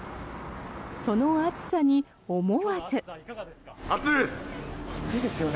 その暑さに思わず。